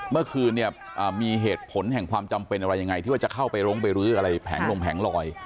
เมื่อคืนเนี่ยมีเหตุผลแห่งความจำเป็นอะไรยังไงที่ว่าจะเข้าไปลงไปรื้ออะไรแผงลงแผงลอย